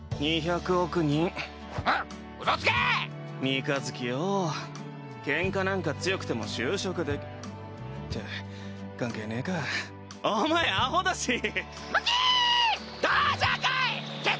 ２００億人ううそつけ三日月よぉケンカなんか強くても就職できって関係ねぇかお前アホだしむき！